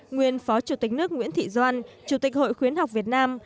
nguyên phó chủ tịch nước nguyễn thị doan chủ tịch hội khuyến học việt nam